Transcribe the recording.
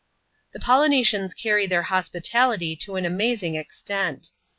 257 The Polynesians cany their hospitality to an amazing extent.